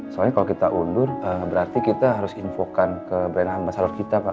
soalnya kalau kita undur berarti kita harus infokan keberanian masyarakat kita pak